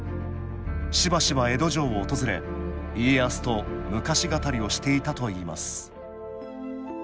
しばしば江戸城を訪れ家康と昔語りをしていたといいます